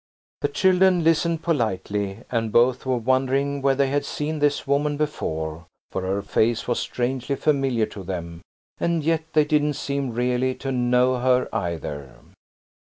The children listened politely, and both were wondering where they had seen this woman before, for her face was strangely familiar to them, and yet they didn't seem really to know her either.